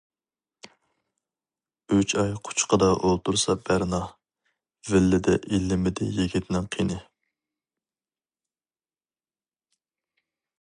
ئۈچ ئاي قۇچىقىدا ئولتۇرسا بەرنا، ۋىللىدە ئىللىمىدى يىگىتنىڭ قېنى.